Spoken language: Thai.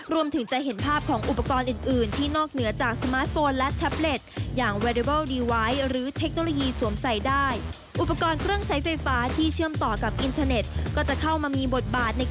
รวมถึงจะเห็นภาพของอุปกรณ์อื่นที่นอกเหนือจากสมาร์ทโฟนและแท็บเล็ต